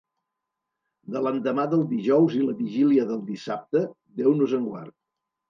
De l'endemà del dijous i la vigília del dissabte, Déu nos en guard.